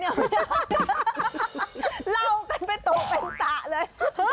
เล่ากันไปตกเป็นตะเลย